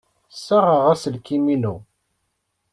Ssaɣeɣ aselkim-inu.